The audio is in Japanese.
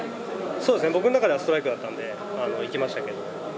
そうですね、僕の中ではストライクだったんで、いきましたけれども。